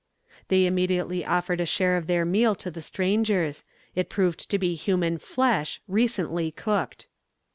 They immediately offered a share of their meal to the strangers. It proved to be human flesh recently cooked.